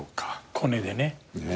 コネでね。